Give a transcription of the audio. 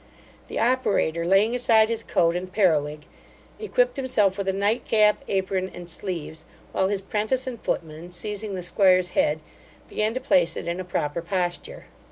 The operator, laying aside his coat and periwig, equipped himself with a night cap, apron, and sleeves, while his 'prentice and footman, seizing the 'squire's head, began to place it in a proper posture.